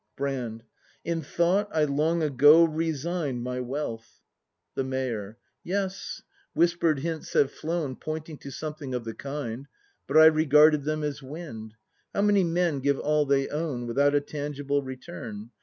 Brand. In thought I long ago resign'd My wealth ACT IV] BRAND 181 The Mayor. Yes, whisper'd hints have flown Pointing to something of the kind. But I regarded them as wind. How many men give all they own Without a tangible return